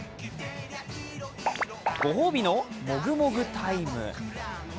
御褒美のもぐもぐタイム。